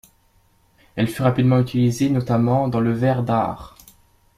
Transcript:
Elle fut rapidement utilisée, notamment dans le verre d'art.